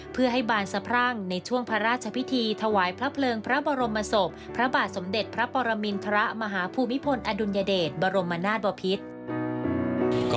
เพื่อให้บานสะพรั่งในช่วงพระราชพิธีถวายพระเพลิงพระบรมศพพระบาทสมเด็จพระปรมินทรมาฮภูมิพลอดุลยเดชบรมนาศบพิษ